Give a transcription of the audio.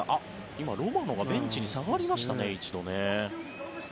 今、ロマノがベンチに下がりました、一度。